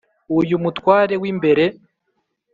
uyu mutware w'imbere,